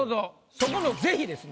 そこの是非ですね。